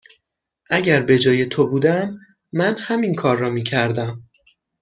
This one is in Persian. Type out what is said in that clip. اگر به جای تو بودم، من همین کار را می کردم.